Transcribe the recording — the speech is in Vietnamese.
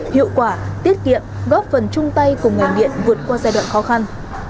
hiệu quả tiết kiệm góp phần chung tay cùng ngành điện vượt qua giai đoạn khó khăn